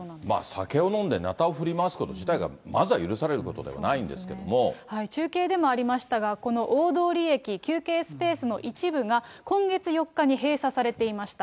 酒を飲んでなたを振り回すこと自体がまずは許されることでは中継でもありましたが、この大通駅、休憩スペースの一部が、今月４日に閉鎖されていました。